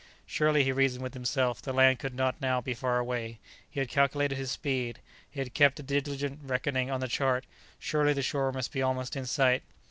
Surely, he reasoned with himself, the land could not now be far away; he had calculated his speed; he had kept a diligent reckoning on the chart; surely, the shore must be almost in sight.